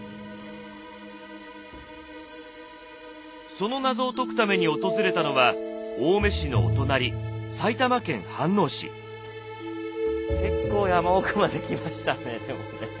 その謎を解くために訪れたのは青梅市のお隣結構山奥まで来ましたねでもね。